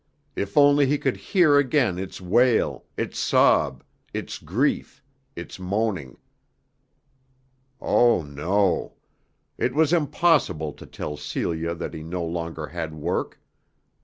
If only he could hear again its wail, its sob, its grief, its moaning. Oh, no. It was impossible to tell Celia that he no longer had work.